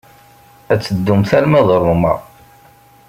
Ad teddumt arma d Roma.